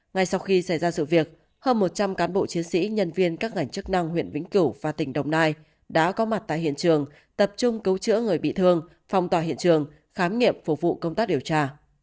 ngay sau khi xảy ra sự việc hơn một trăm linh cán bộ chiến sĩ nhân viên các ngành chức năng huyện vĩnh cửu và tỉnh đồng nai đã có mặt tại hiện trường tập trung cứu chữa người bị thương phong tỏa hiện trường khám nghiệm phục vụ công tác điều tra